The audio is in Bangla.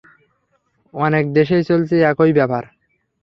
অনেক দেশেই চলছে একই ব্যাপার।